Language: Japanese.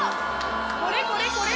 これこれこれ！